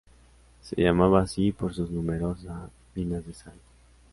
Se llamaba así por sus numerosa minas de sal.